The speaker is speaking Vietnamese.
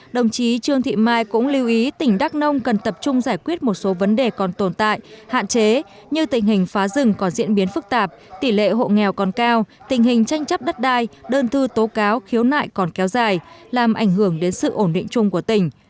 đồng chí trương thị mai cũng lưu ý tỉnh đắk nông cần tập trung giải quyết một số vấn đề còn tồn tại hạn chế như tình hình phá rừng có diễn biến phức tạp tỷ lệ hộ nghèo còn cao tình hình tranh chấp đất đai đơn thư tố cáo khiếu nại còn kéo dài làm ảnh hưởng đến sự ổn định chung của tỉnh